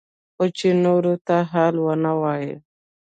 خو چې نورو ته حال ونه وايي.